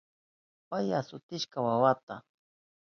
Pay asutishka wawanta.